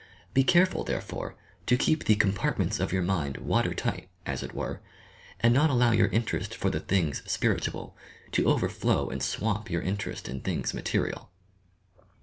Be careful, therefore, to keep the "Compartments" of your mind watertight, as it were, and not allow your interest for the "things spiritual" to overflow and swamp your interest in things material.